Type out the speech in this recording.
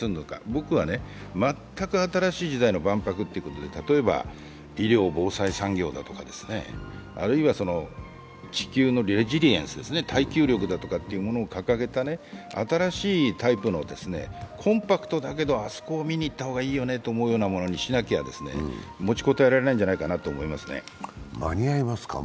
僕は全く新しい時代の万博ということで、例えば医療・防災産業だとかあるいは地球のレジリエンス、耐久力を掲げた新しいタイプのコンパクトだけど、あそこを見に行った方がいいという万博にしないと持ちこたえられないんじゃないかと思いますね．間に合いますか？